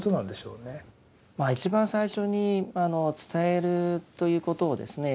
一番最初に伝えるということをですね